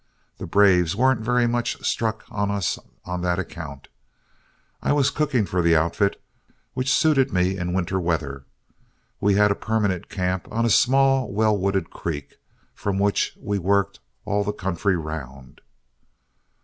The braves weren't very much struck on us on that account. I was cooking for the outfit, which suited me in winter weather. We had a permanent camp on a small well wooded creek, from which we worked all the country round.